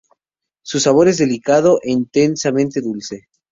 Su sabor es delicado e intensamente dulce.